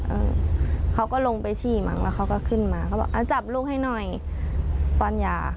เออเขาก็ลงไปฉี่มั้งแล้วเขาก็ขึ้นมาเขาบอกอ่าจับลูกให้หน่อยปอนยา